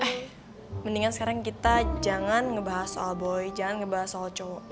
eh mendingan sekarang kita jangan ngebahas soal boy jangan ngebahas soal cowok